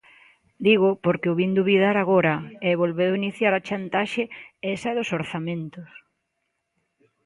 Dígoo porque o vin dubidar agora, e volveu iniciar a chantaxe esa dos orzamentos.